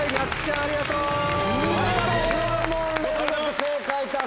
ありがとうございます。